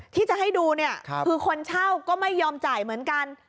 ที่จะให้ดูเนี่ยคือคนเช่าก็ไม่ยอมจ่ายเหมือนกัน